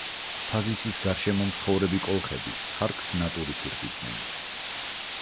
ფაზისის გარშემო მცხოვრები კოლხები ხარკს ნატურით იხდიდნენ.